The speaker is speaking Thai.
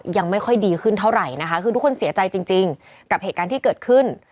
ยังไม่ค่อยดีขึ้นเท่าไหร่นะคะคือทุกคนเสียใจจริงกับเหตุการณ์ที่เกิดขึ้น